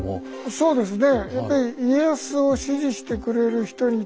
そうですね。